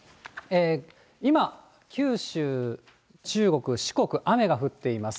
今、九州、中国、四国、雨が降っています。